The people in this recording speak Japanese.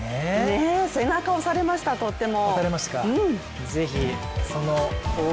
背中を押されました、とっても。